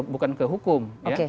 bukan ke hukum